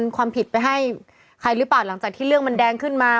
ความผิดไปให้ใครหรือเปล่าหลังจากที่เรื่องมันแดงขึ้นมา